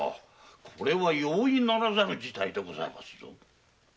これは容易ならざる事態でございまするぞ。